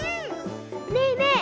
ねえねえ